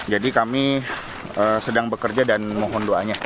jadi kami sedang bekerja dan mohon doanya